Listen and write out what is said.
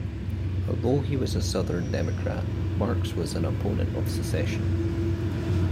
Although he was a Southern Democrat, Marks was an opponent of secession.